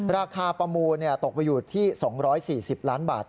ประมูลตกไปอยู่ที่๒๔๐ล้านบาท